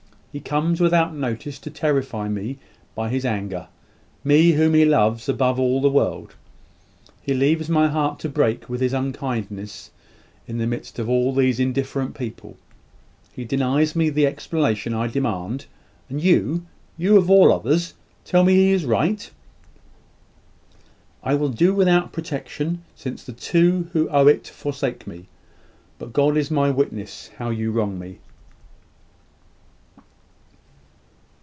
"He comes without notice to terrify me by his anger me whom he loves above all the world; he leaves my heart to break with his unkindness in the midst of all these indifferent people; he denies me the explanation I demand; and you you of all others, tell me he is right! I will do without protection, since the two who owe it forsake me: but God is my witness how you wrong me."